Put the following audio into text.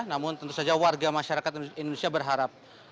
namun tentu saja warga masyarakat indonesia berharap